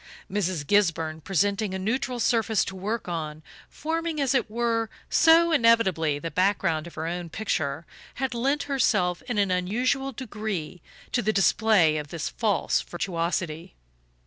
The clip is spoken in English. Mrs. Gisburn, presenting a neutral surface to work on forming, as it were, so inevitably the background of her own picture had lent herself in an unusual degree to the display of this false virtuosity.